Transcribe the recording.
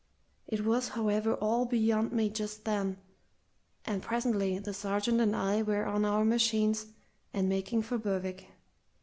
It was, however, all beyond me just then, and presently the sergeant and I were on our machines and making for Berwick.